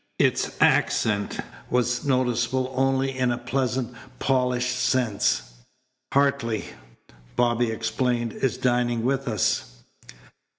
Its accent was noticeable only in a pleasant, polished sense. "Hartley," Bobby explained, "is dining with us."